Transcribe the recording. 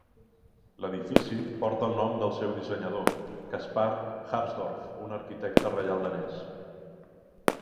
L'edifici porta el nom del seu dissenyador, Caspar Harsdorff, un arquitecte reial danès.